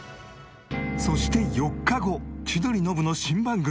そして４日後千鳥ノブの新番組。